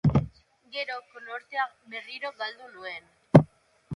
Gero konortea berriro galdu nuen.